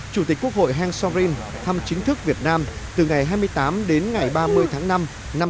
chủ tịch quốc hội heng so rin thăm chính thức việt nam từ ngày hai mươi tám đến ngày ba mươi tháng năm năm hai nghìn một mươi chín